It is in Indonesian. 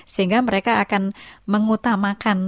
sehingga mereka akan mengutamakan